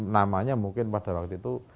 namanya mungkin pada waktu itu